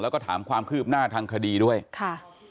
แล้วก็ถามความคืบหน้าทางคดีด้วยค่ะ